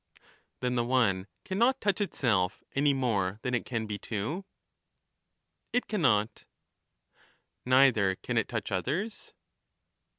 Then the one cannot touch itself any more than it can be two? It cannot. Neither can it touch others.